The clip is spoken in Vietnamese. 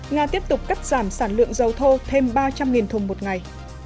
nga tiếp tục cắt giảm sản lượng dầu thô thêm ba trăm linh thùng một ngày